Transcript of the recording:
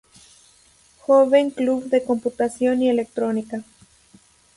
Joven Club de Computación y Electrónica.